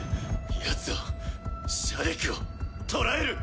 ヤツをシャディクを捕らえる！